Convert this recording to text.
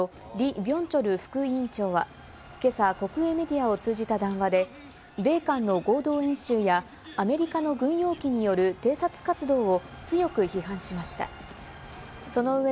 朝鮮労働党中央軍事委員会のリ・ビョンチョル副委員長は今朝、国営メディアを通じた談話で、米韓の合同演習やアメリカの軍用機による偵察活動を強く批判しました。